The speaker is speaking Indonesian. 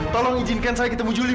tolong izinkan saya ketemu juli